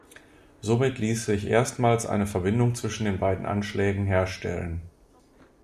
Somit ließ sich erstmals eine Verbindung zwischen den beiden Anschlägen herstellen.